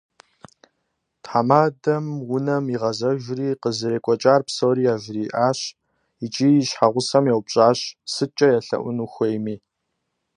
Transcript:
Тхьэмадэм унэм игъэзэжри, къызэрекӀуэкӀар псори яжриӀэжащ икӀи и щхьэгъусэм еупщӀащ, сыткӀэ елъэӀуну хуейми.